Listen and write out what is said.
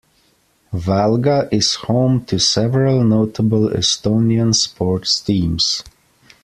Valga is home to several notable Estonian sports teams.